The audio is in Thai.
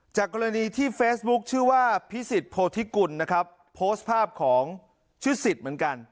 กรณีที่เฟซบุ๊คชื่อว่าพิสิทธิโพธิกุลนะครับโพสต์ภาพของชื่อสิทธิ์เหมือนกัน